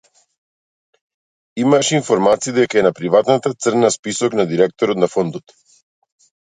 Имаше информации дека е на приватната црна список на директорот на фондот.